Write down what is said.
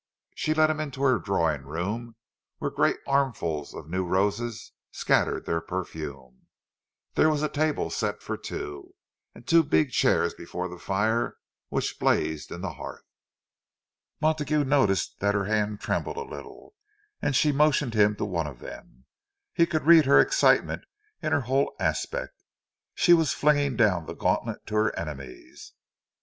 She led him into her drawing room, where great armfuls of new roses scattered their perfume. There was a table set for two, and two big chairs before the fire which blazed in the hearth. Montague noticed that her hand trembled a little, as she motioned him to one of them; he could read her excitement in her whole aspect. She was flinging down the gauntlet to her enemies!